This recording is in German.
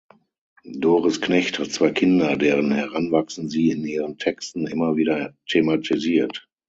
Doris Knecht hat zwei Kinder, deren Heranwachsen sie in ihren Texten immer wieder thematisiert.